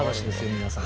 皆さん。